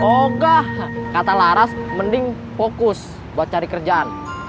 pokah kata laras mending fokus buat cari kerjaan